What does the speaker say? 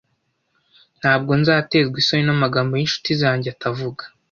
Ntabwo nzaterwa isoni n'amagambo y'incuti zanjye atavuga,